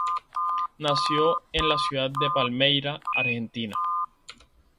Nació en la ciudad de Palmira, Argentina.